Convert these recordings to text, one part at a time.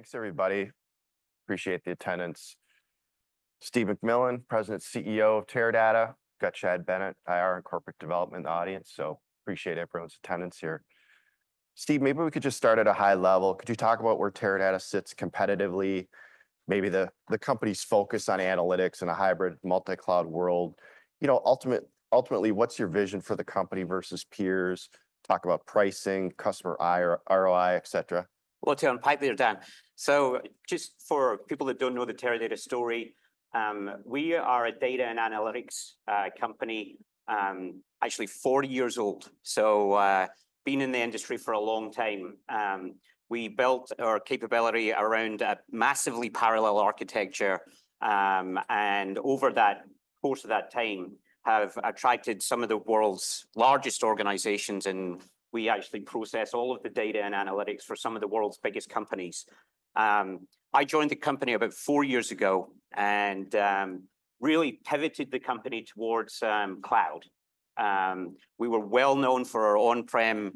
Thanks, everybody. Appreciate the attendance. Steve McMillan, President, CEO of Teradata. We've got Chad Bennett, IR and Corporate Development in the audience, so appreciate everyone's attendance here. Steve, maybe we could just start at a high level. Could you talk about where Teradata sits competitively? Maybe the company's focus on analytics in a hybrid, multi-cloud world. You know, ultimately, what's your vision for the company versus peers? Talk about pricing, customer ROI, etc. [Dan pipe it down. Just for people that don't know the Teradata story, we are a data and analytics company, actually 40 years old. Being in the industry for a long time, we built our capability around a massively parallel architecture. Over that course of that time, have attracted some of the world's largest organizations, and we actually process all of the data and analytics for some of the world's biggest companies. I joined the company about four years ago and really pivoted the company towards cloud. We were well known for our on-prem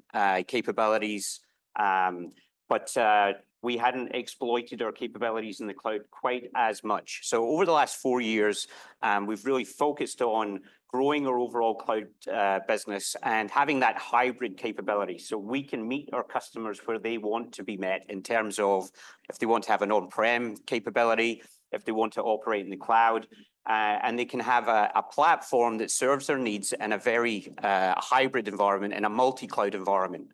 capabilities, but we hadn't exploited our capabilities in the cloud quite as much. So over the last four years, we've really focused on growing our overall cloud business and having that hybrid capability so we can meet our customers where they want to be met in terms of if they want to have an on-prem capability, if they want to operate in the cloud, and they can have a platform that serves their needs in a very hybrid environment, in a multi-cloud environment.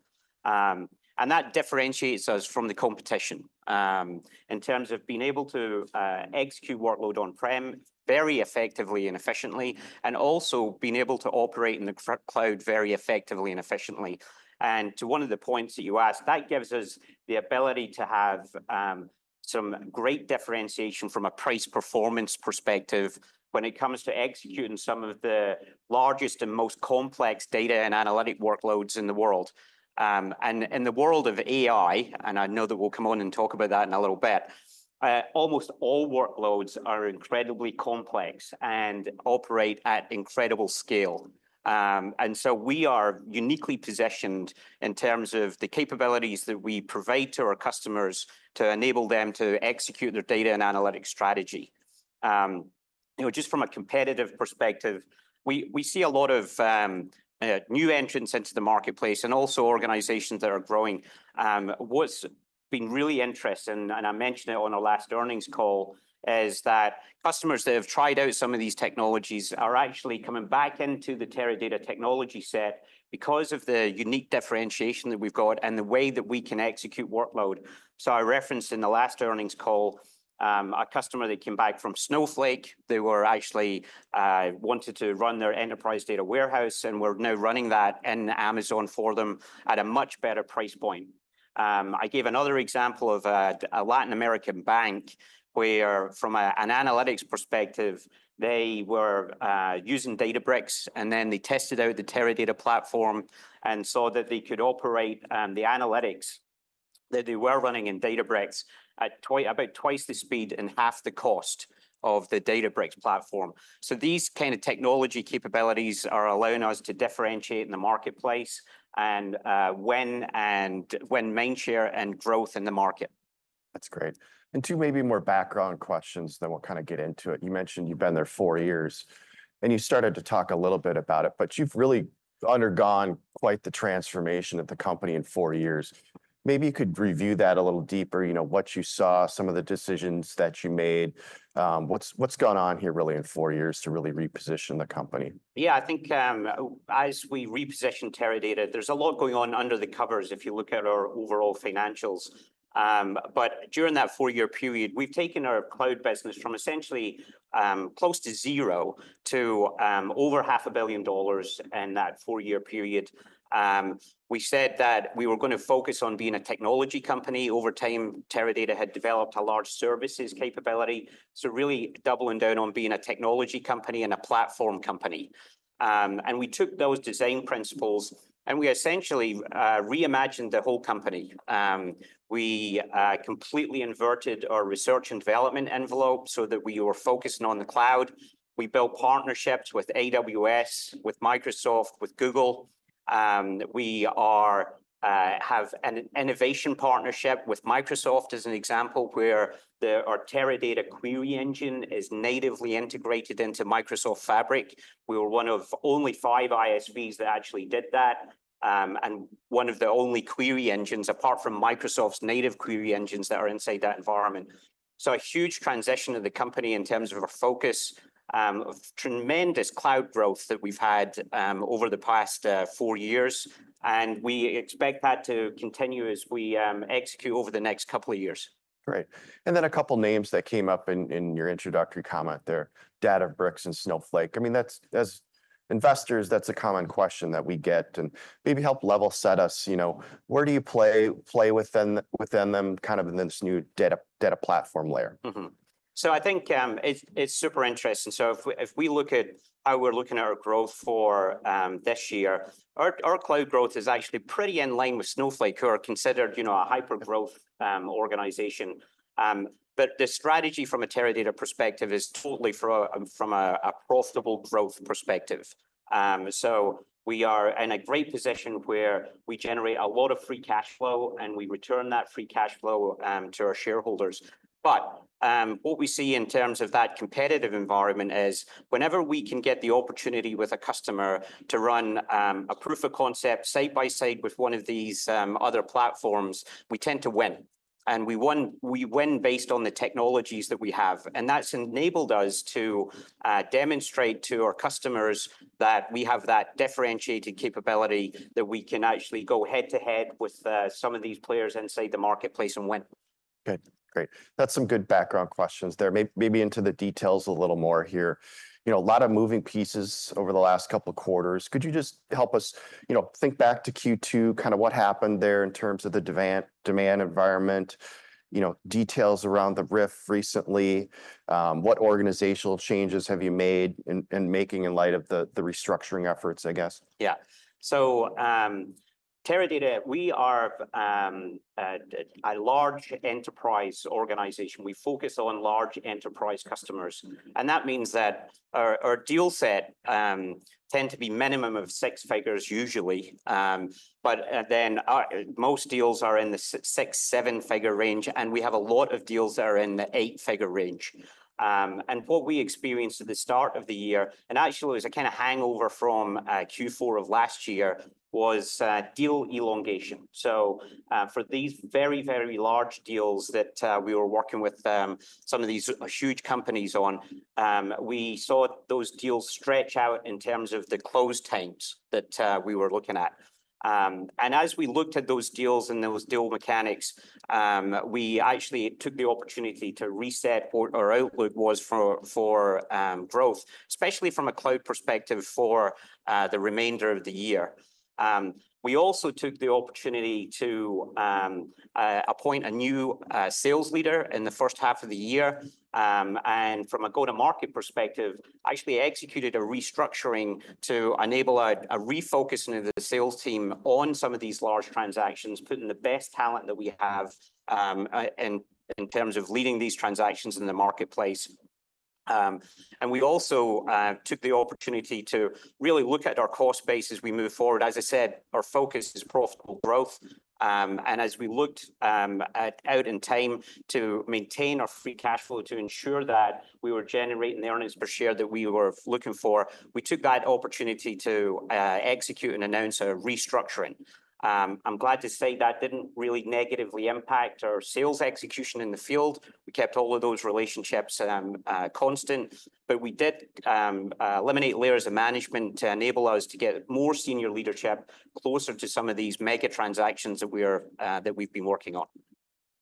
And that differentiates us from the competition in terms of being able to execute workload on-prem very effectively and efficiently, and also being able to operate in the cloud very effectively and efficiently. And to one of the points that you asked, that gives us the ability to have some great differentiation from a price performance perspective when it comes to executing some of the largest and most complex data and analytic workloads in the world. In the world of AI, and I know that we'll come on and talk about that in a little bit, almost all workloads are incredibly complex and operate at incredible scale. And so we are uniquely positioned in terms of the capabilities that we provide to our customers to enable them to execute their data and analytic strategy. Just from a competitive perspective, we see a lot of new entrants into the marketplace and also organizations that are growing. What's been really interesting, and I mentioned it on our last earnings call, is that customers that have tried out some of these technologies are actually coming back into the Teradata technology set because of the unique differentiation that we've got and the way that we can execute workload. So I referenced in the last earnings call a customer that came back from Snowflake. They were actually wanting to run their enterprise data warehouse, and we're now running that in Amazon for them at a much better price point. I gave another example of a Latin American bank where, from an analytics perspective, they were using Databricks, and then they tested out the Teradata platform and saw that they could operate the analytics that they were running in Databricks at about twice the speed and half the cost of the Databricks platform. These kind of technology capabilities are allowing us to differentiate in the marketplace and win market share and growth in the market. That's great, and two, maybe more background questions than we'll kind of get into it. You mentioned you've been there four years, and you started to talk a little bit about it, but you've really undergone quite the transformation of the company in four years. Maybe you could review that a little deeper, you know, what you saw, some of the decisions that you made, what's gone on here really in four years to really reposition the company. Yeah, I think as we reposition Teradata, there's a lot going on under the covers if you look at our overall financials. But during that four-year period, we've taken our cloud business from essentially close to zero to over $500 million in that four-year period. We said that we were going to focus on being a technology company. Over time, Teradata had developed a large services capability. So really doubling down on being a technology company and a platform company. And we took those design principles and we essentially reimagined the whole company. We completely inverted our research and development envelope so that we were focused on the cloud. We built partnerships with AWS, with Microsoft, with Google. We have an innovation partnership with Microsoft as an example where our Teradata query engine is natively integrated into Microsoft Fabric. We were one of only five ISVs that actually did that and one of the only query engines apart from Microsoft's native query engines that are inside that environment, so a huge transition of the company in terms of our focus, of tremendous cloud growth that we've had over the past four years, and we expect that to continue as we execute over the next couple of years. Great. And then a couple of names that came up in your introductory comment there, Databricks and Snowflake. I mean, that's as investors, that's a common question that we get. And maybe help level set us, you know, where do you play within them kind of in this new data platform layer? So I think it's super interesting. So if we look at how we're looking at our growth for this year, our cloud growth is actually pretty in line with Snowflake, who are considered, you know, a hyper-growth organization. But the strategy from a Teradata perspective is totally from a profitable growth perspective. So we are in a great position where we generate a lot of free cash flow and we return that free cash flow to our shareholders. But what we see in terms of that competitive environment is whenever we can get the opportunity with a customer to run a proof of concept side by side with one of these other platforms, we tend to win. And we win based on the technologies that we have. That's enabled us to demonstrate to our customers that we have that differentiated capability that we can actually go head to head with some of these players inside the marketplace and win. Okay, great. That's some good background questions there. Maybe into the details a little more here. You know, a lot of moving pieces over the last couple of quarters. Could you just help us, you know, think back to Q2, kind of what happened there in terms of the demand environment, you know, details around the RIF recently? What organizational changes have you made and making in light of the restructuring efforts, I guess? Yeah. So Teradata, we are a large enterprise organization. We focus on large enterprise customers. And that means that our deal set tends to be a minimum of six figures usually. But then most deals are in the six, seven figure range, and we have a lot of deals that are in the eight figure range. And what we experienced at the start of the year, and actually it was a kind of hangover from Q4 of last year, was deal elongation. So for these very, very large deals that we were working with some of these huge companies on, we saw those deals stretch out in terms of the close times that we were looking at. And as we looked at those deals and those deal mechanics, we actually took the opportunity to reset what our outlook was for growth, especially from a cloud perspective for the remainder of the year. We also took the opportunity to appoint a new sales leader in the first half of the year. And from a go-to-market perspective, actually executed a restructuring to enable a refocus into the sales team on some of these large transactions, putting the best talent that we have in terms of leading these transactions in the marketplace. And we also took the opportunity to really look at our cost basis as we move forward. As I said, our focus is profitable growth. As we looked out in time to maintain our free cash flow to ensure that we were generating the earnings per share that we were looking for, we took that opportunity to execute and announce a restructuring. I'm glad to say that didn't really negatively impact our sales execution in the field. We kept all of those relationships constant, but we did eliminate layers of management to enable us to get more senior leadership closer to some of these mega transactions that we've been working on.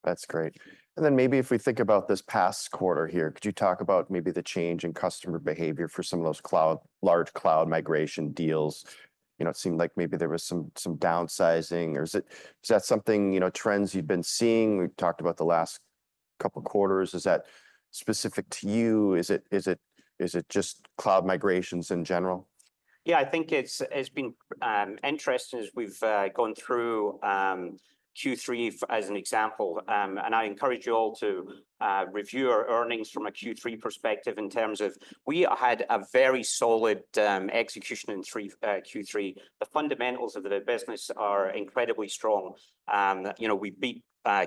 That's great, and then maybe if we think about this past quarter here, could you talk about maybe the change in customer behavior for some of those large cloud migration deals? You know, it seemed like maybe there was some downsizing. Is that something, you know, trends you've been seeing? We talked about the last couple of quarters. Is that specific to you? Is it just cloud migrations in general? Yeah, I think it's been interesting as we've gone through Q3 as an example, and I encourage you all to review our earnings from a Q3 perspective in terms of we had a very solid execution in Q3. The fundamentals of the business are incredibly strong. You know, we beat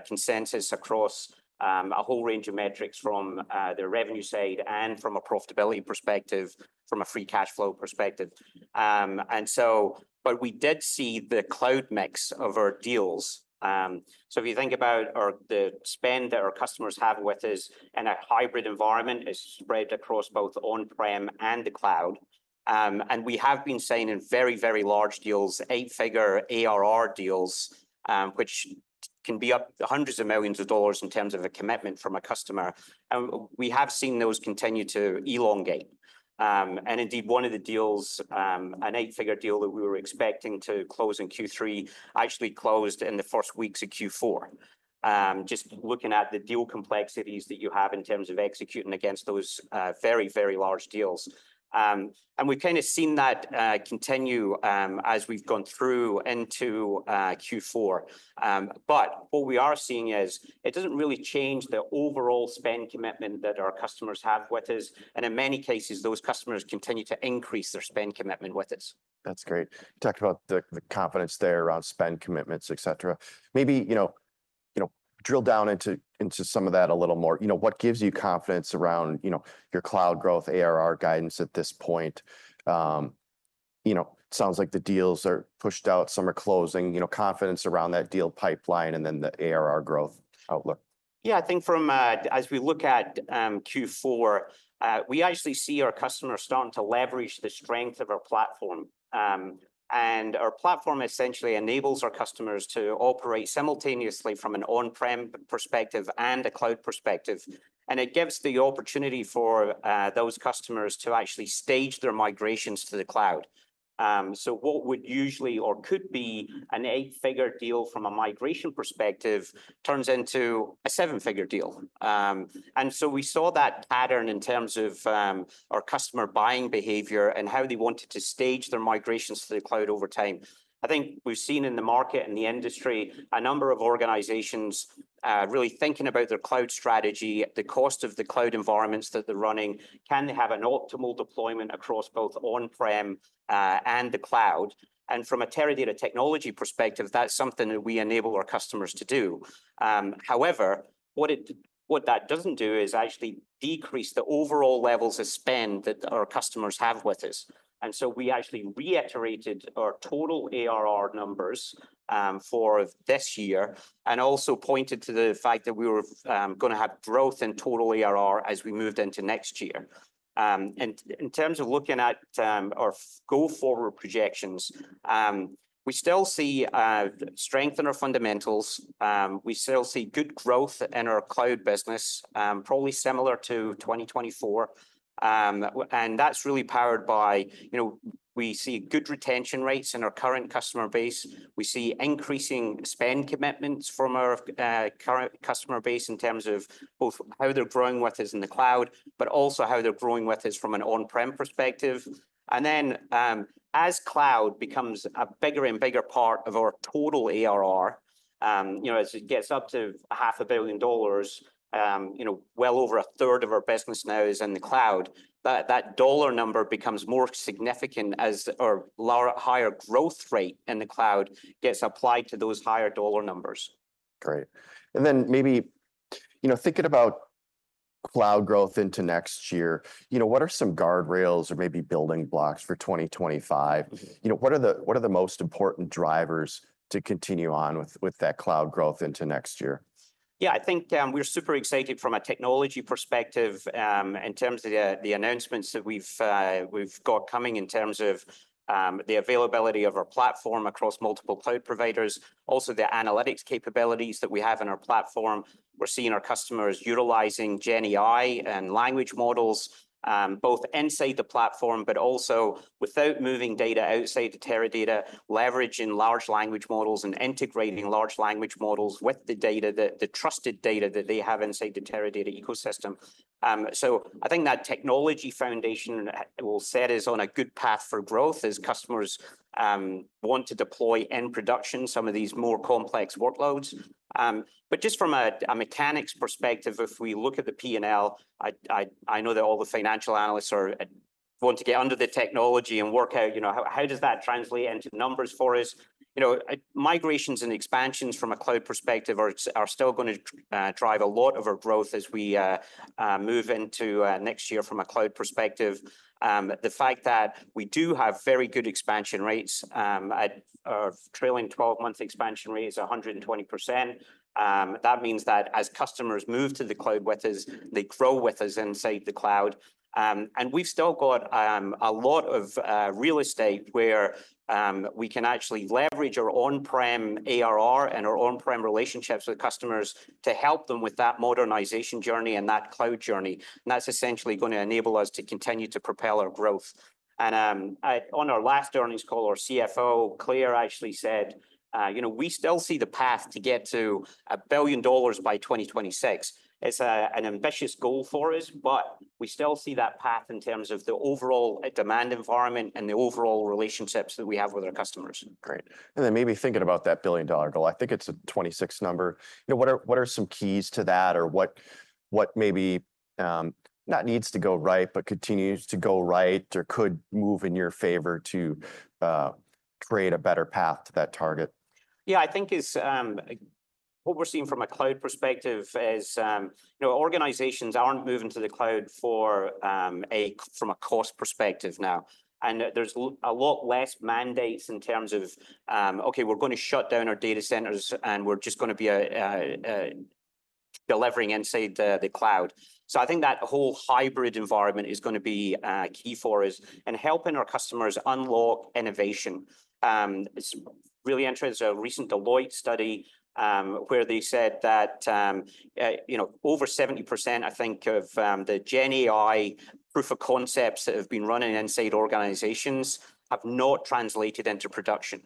consensus across a whole range of metrics from the revenue side and from a profitability perspective, from a free cash flow perspective, and so but we did see the cloud mix of our deals, so if you think about the spend that our customers have with us in a hybrid environment is spread across both on-prem and the cloud, and we have been seeing in very, very large deals, eight-figure ARR deals, which can be up hundreds of millions of dollars in terms of a commitment from a customer, and we have seen those continue to elongate. And indeed, one of the deals, an eight-figure deal that we were expecting to close in Q3, actually closed in the first weeks of Q4. Just looking at the deal complexities that you have in terms of executing against those very, very large deals. And we've kind of seen that continue as we've gone through into Q4. But what we are seeing is it doesn't really change the overall spend commitment that our customers have with us. And in many cases, those customers continue to increase their spend commitment with us. That's great. You talked about the confidence there around spend commitments, et cetera. Maybe, you know, drill down into some of that a little more. You know, what gives you confidence around, you know, your cloud growth ARR guidance at this point? You know, it sounds like the deals are pushed out, some are closing, you know, confidence around that deal pipeline and then the ARR growth outlook. Yeah, I think from as we look at Q4, we actually see our customers starting to leverage the strength of our platform. And our platform essentially enables our customers to operate simultaneously from an on-prem perspective and a cloud perspective. And it gives the opportunity for those customers to actually stage their migrations to the cloud. So what would usually or could be an eight-figure deal from a migration perspective turns into a seven-figure deal. And so we saw that pattern in terms of our customer buying behavior and how they wanted to stage their migrations to the cloud over time. I think we've seen in the market and the industry a number of organizations really thinking about their cloud strategy, the cost of the cloud environments that they're running, can they have an optimal deployment across both on-prem and the cloud? From a Teradata technology perspective, that's something that we enable our customers to do. However, what that doesn't do is actually decrease the overall levels of spend that our customers have with us. So we actually reiterated our total ARR numbers for this year and also pointed to the fact that we were going to have growth in total ARR as we moved into next year. In terms of looking at our go forward projections, we still see strength in our fundamentals. We still see good growth in our cloud business, probably similar to 2024. That's really powered by, you know, we see good retention rates in our current customer base. We see increasing spend commitments from our current customer base in terms of both how they're growing with us in the cloud, but also how they're growing with us from an on-prem perspective. And then, as cloud becomes a bigger and bigger part of our total ARR, you know, as it gets up to $500 million, you know, well over a third of our business now is in the cloud, that dollar number becomes more significant as our higher growth rate in the cloud gets applied to those higher dollar numbers. Great. And then maybe, you know, thinking about cloud growth into next year, you know, what are some guardrails or maybe building blocks for 2025? You know, what are the most important drivers to continue on with that cloud growth into next year? Yeah, I think we're super excited from a technology perspective in terms of the announcements that we've got coming in terms of the availability of our platform across multiple cloud providers, also the analytics capabilities that we have in our platform. We're seeing our customers utilizing GenAI and language models, both inside the platform, but also without moving data outside the Teradata, leveraging large language models and integrating large language models with the data, the trusted data that they have inside the Teradata ecosystem. So I think that technology foundation will set us on a good path for growth as customers want to deploy in production some of these more complex workloads. But just from a mechanics perspective, if we look at the P&L, I know that all the financial analysts want to get under the technology and work out, you know, how does that translate into numbers for us? You know, migrations and expansions from a cloud perspective are still going to drive a lot of our growth as we move into next year from a cloud perspective. The fact that we do have very good expansion rates, our trailing 12-month expansion rate is 120%. That means that as customers move to the cloud with us, they grow with us inside the cloud. And we've still got a lot of real estate where we can actually leverage our on-prem ARR and our on-prem relationships with customers to help them with that modernization journey and that cloud journey. And that's essentially going to enable us to continue to propel our growth. And on our last earnings call, our CFO, Claire, actually said, you know, we still see the path to get to $1 billion by 2026. It's an ambitious goal for us, but we still see that path in terms of the overall demand environment and the overall relationships that we have with our customers. Great. And then maybe thinking about that billion dollar goal, I think it's a 26 number. You know, what are some keys to that or what maybe not needs to go right, but continues to go right or could move in your favor to create a better path to that target? Yeah, I think what we're seeing from a cloud perspective is, you know, organizations aren't moving to the cloud from a cost perspective now, and there's a lot less mandates in terms of, okay, we're going to shut down our data centers and we're just going to be delivering inside the cloud, so I think that whole hybrid environment is going to be key for us in helping our customers unlock innovation. It's really interesting. There's a recent Deloitte study where they said that, you know, over 70%, I think, of the GenAI proof of concepts that have been running inside organizations have not translated into production,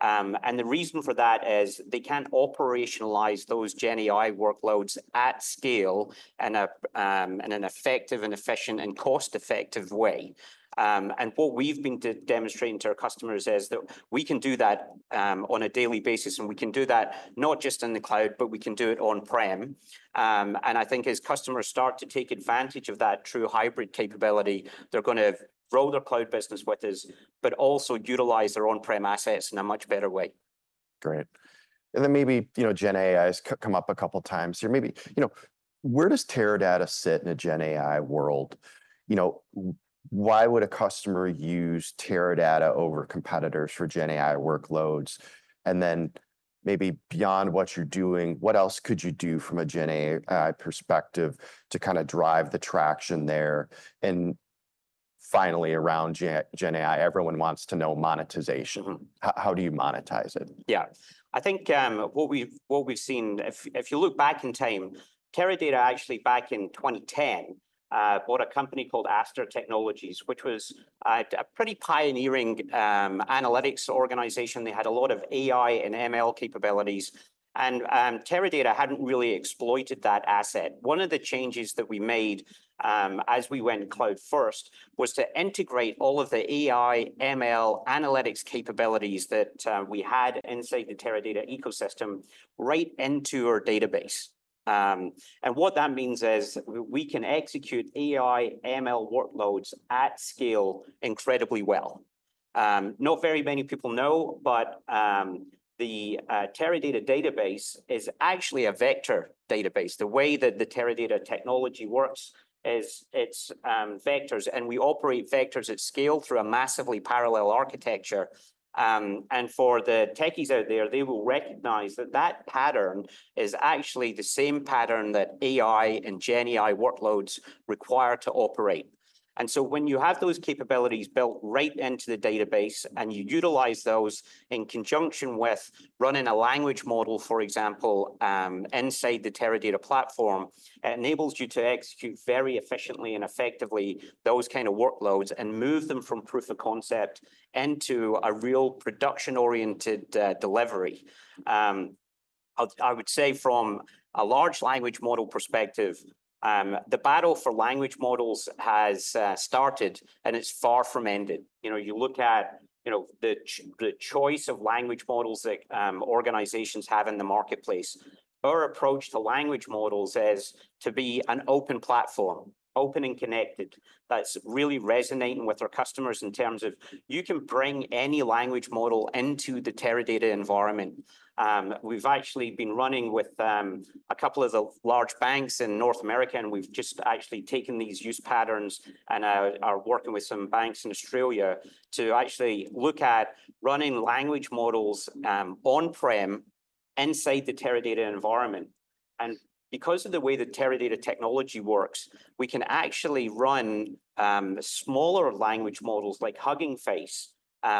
and the reason for that is they can't operationalize those GenAI workloads at scale in an effective and efficient and cost-effective way, and what we've been demonstrating to our customers is that we can do that on a daily basis. And we can do that not just in the cloud, but we can do it on-prem. And I think as customers start to take advantage of that true hybrid capability, they're going to grow their cloud business with us, but also utilize their on-prem assets in a much better way. Great, and then maybe, you know, GenAI has come up a couple of times here. Maybe, you know, where does Teradata sit in a GenAI world? You know, why would a customer use Teradata over competitors for GenAI workloads? And then maybe beyond what you're doing, what else could you do from a GenAI perspective to kind of drive the traction there? And finally, around GenAI, everyone wants to know monetization. How do you monetize it? Yeah, I think what we've seen, if you look back in time, Teradata actually back in 2010 bought a company called Aster Technologies, which was a pretty pioneering analytics organization. They had a lot of AI and ML capabilities. Teradata hadn't really exploited that asset. One of the changes that we made as we went cloud first was to integrate all of the AI, ML, analytics capabilities that we had inside the Teradata ecosystem right into our database. What that means is we can execute AI, ML workloads at scale incredibly well. Not very many people know, but the Teradata database is actually a vector database. The way that the Teradata technology works is it's vectors. We operate vectors at scale through a massively parallel architecture. For the techies out there, they will recognize that that pattern is actually the same pattern that AI and GenAI workloads require to operate. So when you have those capabilities built right into the database and you utilize those in conjunction with running a language model, for example, inside the Teradata platform, it enables you to execute very efficiently and effectively those kinds of workloads and move them from proof of concept into a real production-oriented delivery. I would say from a large language model perspective, the battle for language models has started and it's far from ended. You know, you look at, you know, the choice of language models that organizations have in the marketplace. Our approach to language models is to be an open platform, open and connected. That's really resonating with our customers in terms of you can bring any language model into the Teradata environment. We've actually been running with a couple of the large banks in North America, and we've just actually taken these use patterns and are working with some banks in Australia to actually look at running language models on-prem inside the Teradata environment. And because of the way the Teradata technology works, we can actually run smaller language models like Hugging Face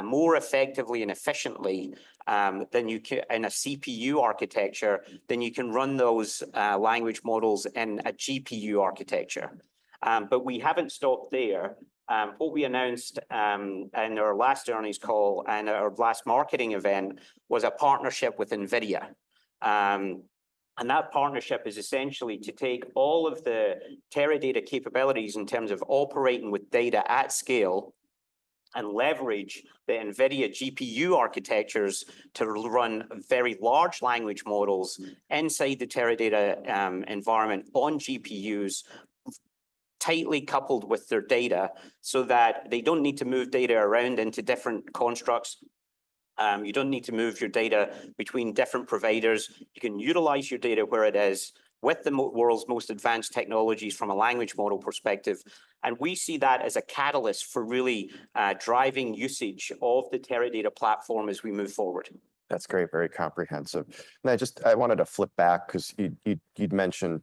more effectively and efficiently than you can in a CPU architecture than you can run those language models in a GPU architecture. But we haven't stopped there. What we announced in our last earnings call and our last marketing event was a partnership with NVIDIA. That partnership is essentially to take all of the Teradata capabilities in terms of operating with data at scale and leverage the NVIDIA GPU architectures to run very large language models inside the Teradata environment on GPUs, tightly coupled with their data so that they don't need to move data around into different constructs. You don't need to move your data between different providers. You can utilize your data where it is with the world's most advanced technologies from a language model perspective. We see that as a catalyst for really driving usage of the Teradata platform as we move forward. That's great. Very comprehensive. Now, just I wanted to flip back because you'd mentioned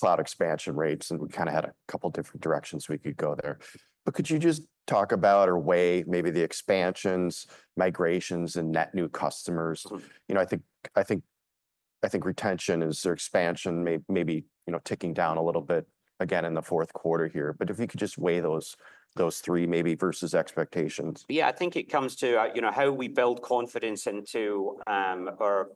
cloud expansion rates and we kind of had a couple of different directions we could go there. But could you just talk about or weigh maybe the expansions, migrations, and net new customers? You know, I think retention is their expansion, maybe, you know, ticking down a little bit again in the fourth quarter here. But if you could just weigh those three maybe versus expectations. Yeah, I think it comes to, you know, how we build confidence into our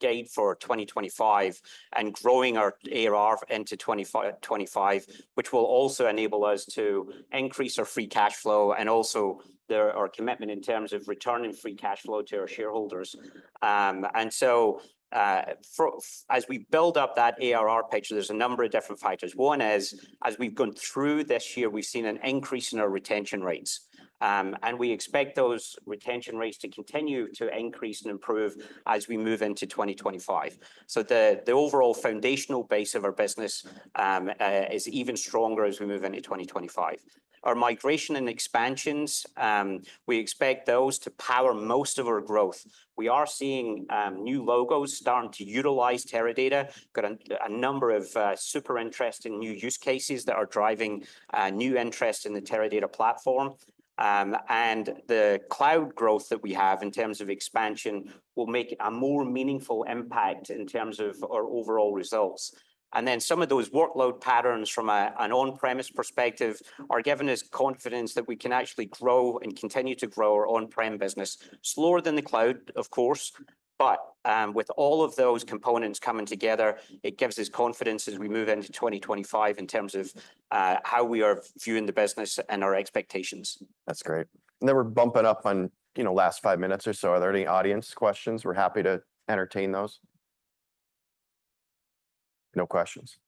guidance for 2025 and growing our ARR into 2025, which will also enable us to increase our free cash flow and also our commitment in terms of returning free cash flow to our shareholders. And so as we build up that ARR picture, there's a number of different factors. One is as we've gone through this year, we've seen an increase in our retention rates. And we expect those retention rates to continue to increase and improve as we move into 2025. So the overall foundational base of our business is even stronger as we move into 2025. Our migration and expansions, we expect those to power most of our growth. We are seeing new logos starting to utilize Teradata. Got a number of super interesting new use cases that are driving new interest in the Teradata platform, and the cloud growth that we have in terms of expansion will make a more meaningful impact in terms of our overall results, and then some of those workload patterns from an on-premise perspective are giving us confidence that we can actually grow and continue to grow our on-prem business slower than the cloud, of course, but with all of those components coming together, it gives us confidence as we move into 2025 in terms of how we are viewing the business and our expectations. That's great. And then we're bumping up on, you know, last five minutes or so. Are there any audience questions? We're happy to entertain those. No questions.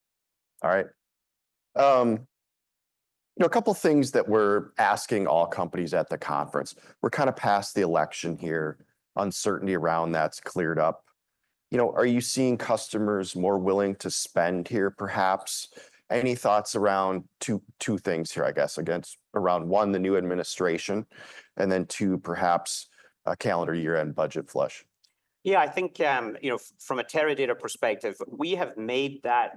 All right. You know, a couple of things that we're asking all companies at the conference. We're kind of past the election here. Uncertainty around that's cleared up. You know, are you seeing customers more willing to spend here perhaps? Any thoughts around two things here, I guess, against around one, the new administration, and then two, perhaps a calendar year-end budget flush? Yeah, I think, you know, from a Teradata perspective, we have made that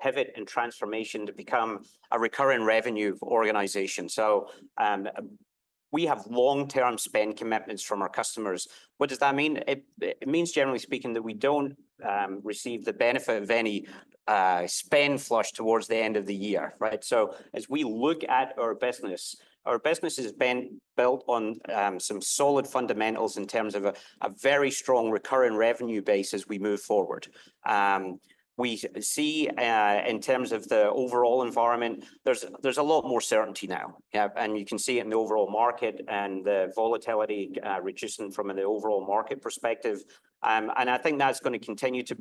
pivot and transformation to become a recurring revenue organization, so we have long-term spend commitments from our customers. What does that mean? It means, generally speaking, that we don't receive the benefit of any spend flush towards the end of the year, right, so as we look at our business, our business has been built on some solid fundamentals in terms of a very strong recurring revenue base as we move forward. We see in terms of the overall environment, there's a lot more certainty now, and you can see it in the overall market and the volatility reducing from an overall market perspective, and I think that's going to continue to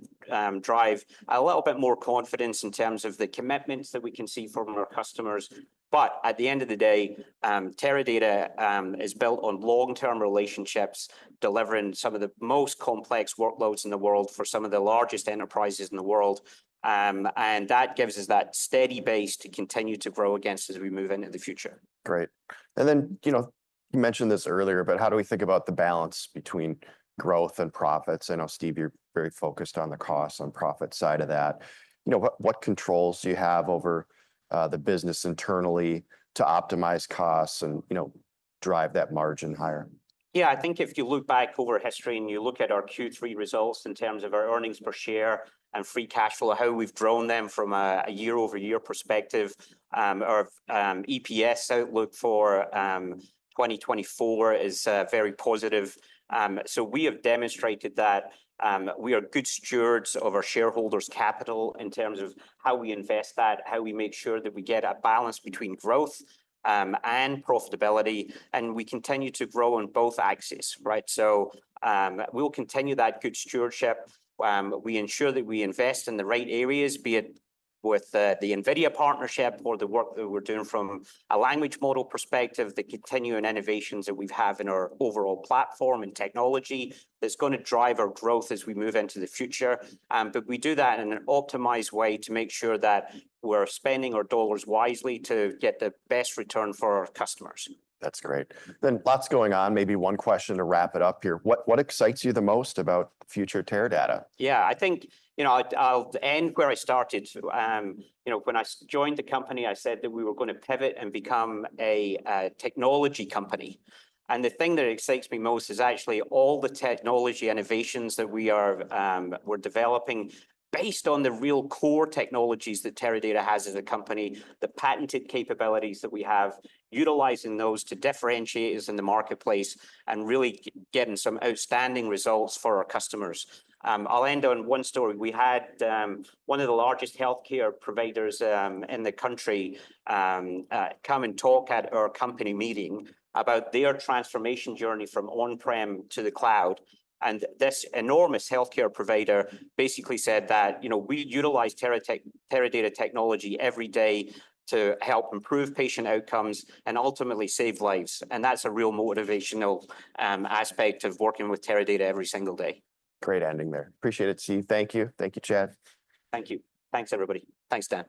drive a little bit more confidence in terms of the commitments that we can see from our customers. At the end of the day, Teradata is built on long-term relationships, delivering some of the most complex workloads in the world for some of the largest enterprises in the world. That gives us that steady base to continue to grow against as we move into the future. Great. And then, you know, you mentioned this earlier, but how do we think about the balance between growth and profits? I know, Steve, you're very focused on the cost and profit side of that. You know, what controls do you have over the business internally to optimize costs and, you know, drive that margin higher? Yeah, I think if you look back over history and you look at our Q3 results in terms of our earnings per share and free cash flow, how we've grown them from a year-over-year perspective, our EPS outlook for 2024 is very positive. So we have demonstrated that we are good stewards of our shareholders' capital in terms of how we invest that, how we make sure that we get a balance between growth and profitability. And we continue to grow on both axes, right? So we'll continue that good stewardship. We ensure that we invest in the right areas, be it with the NVIDIA partnership or the work that we're doing from a language model perspective, the continuing innovations that we have in our overall platform and technology that's going to drive our growth as we move into the future. But we do that in an optimized way to make sure that we're spending our dollars wisely to get the best return for our customers. That's great. Then lots going on. Maybe one question to wrap it up here. What excites you the most about future Teradata? Yeah, I think, you know, I'll end where I started. You know, when I joined the company, I said that we were going to pivot and become a technology company, and the thing that excites me most is actually all the technology innovations that we are developing based on the real core technologies that Teradata has as a company, the patented capabilities that we have, utilizing those to differentiate us in the marketplace and really getting some outstanding results for our customers. I'll end on one story. We had one of the largest healthcare providers in the country come and talk at our company meeting about their transformation journey from on-prem to the cloud, and this enormous healthcare provider basically said that, you know, we utilize Teradata technology every day to help improve patient outcomes and ultimately save lives. That's a real motivational aspect of working with Teradata every single day. Great ending there. Appreciate it, Steve. Thank you. Thank you, Chad. Thank you. Thanks, everybody. Thanks, Dan.